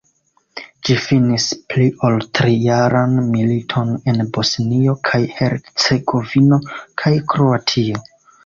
Ĝi finis pli-ol-tri-jaran militon en Bosnio kaj Hercegovino kaj Kroatio.